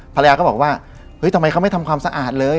ภรรยาก็บอกว่าเฮ้ยทำไมเขาไม่ทำความสะอาดเลย